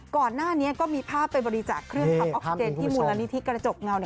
ก่อนหน้านี้ก็มีภาพไปบริจาคเครื่องทำออกซิเจนที่มูลนิธิกระจกเงา